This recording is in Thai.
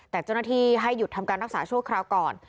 แต่เจ้าหน้าที่ให้หยุดทำการรักษาชั่วคราวก่อน